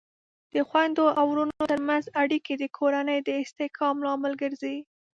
د خویندو او ورونو ترمنځ اړیکې د کورنۍ د استحکام لامل ګرځي.